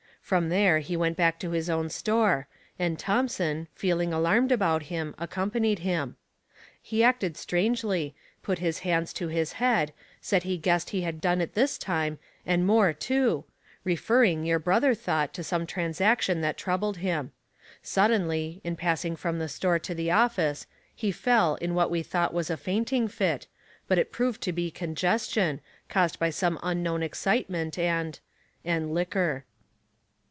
From there he went back to his own store, and Thomson, feeling alarmed about him, accompanied him. He acted strangely, put his hands to his head, said he guessed he had done it this time, and more, too, referring, your brother thought, to some transaction that trou bled him. Suddenly, in passing from the store to the office, he fell in what we thought was a fainting fit, but it proved to be congestion, caused by some unknown excitement and — and liquor."